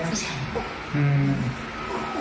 ไม่ใช่